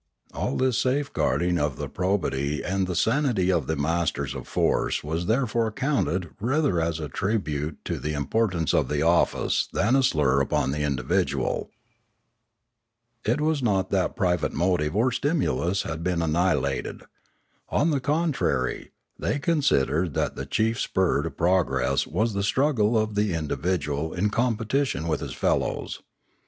All this safe guarding of the probity and the sanity of the masters of force was therefore counted rather as a tribute to the importance of the office than a slur upon the indi vidual. It was not that private motive or stimulus had been annihilated. On the contrary they considered that the chief spur to progress was the struggle of the indi vidual in competition with his fellows.